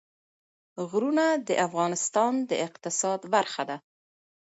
غرونه د افغانستان د اقتصاد برخه ده.